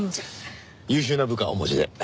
優秀な部下をお持ちで。